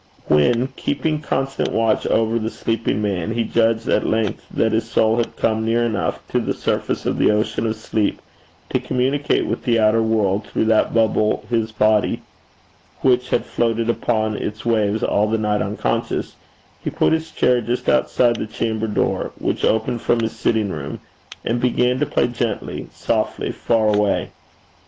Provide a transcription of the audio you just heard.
When, keeping constant watch over the sleeping man, he judged at length that his soul had come near enough to the surface of the ocean of sleep to communicate with the outer world through that bubble his body, which had floated upon its waves all the night unconscious, he put his chair just outside the chamber door, which opened from his sitting room, and began to play gently, softly, far away.